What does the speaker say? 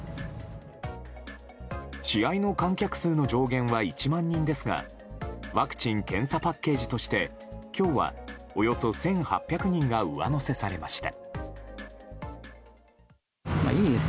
試合の観客数の上限は１万人ですがワクチン・検査パッケージとして今日は、およそ１８００人が上乗せされました。